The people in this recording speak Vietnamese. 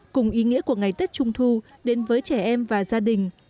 cùng ý nghĩa của ngày tết trung thu đến với trẻ em và gia đình